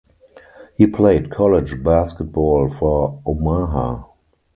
He played college basketball for Omaha.